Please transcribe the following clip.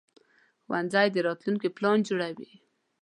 ښوونځی د راتلونکي پلان جوړوي